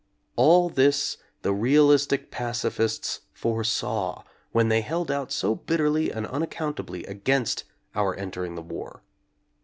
All this the realistic pacifists foresaw when they held out so bitterly and unaccountably against our entering the war.